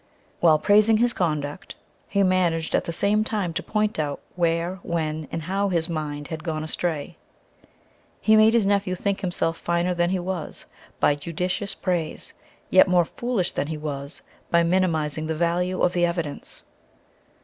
While praising his conduct, he managed at the same time to point out where, when, and how his mind had gone astray. He made his nephew think himself finer than he was by judicious praise, yet more foolish than he was by minimizing the value of the evidence.